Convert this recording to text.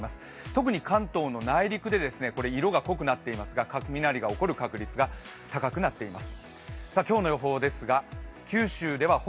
特に関東の内陸で、これ色が濃くなっていますが雷が起こる確率が高くなっています。